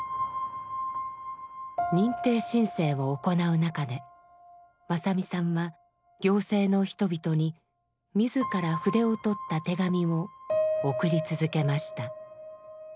認定申請を行う中で正実さんは行政の人々に自ら筆を執った手紙を送り続けました。